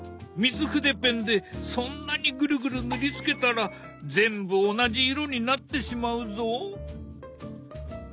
水筆ペンでそんなにグルグル塗りつけたら全部同じ色になってしまうぞ。